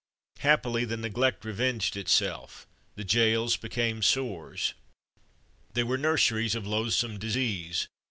Happily the neglect revenged itself. The jails became sores. They were nurseries of loathsome disease.